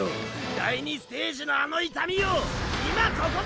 第２ステージのあの痛みを今ここで！